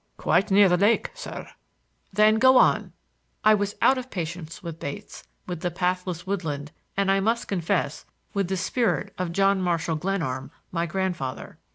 "Quite near the lake, sir." "Then go on." I was out of patience with Bates, with the pathless woodland, and, I must confess, with the spirit of John Marshall Glenarm, my grandfather.